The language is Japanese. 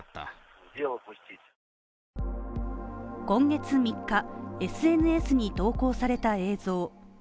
今月３日、ＳＮＳに投稿された映像。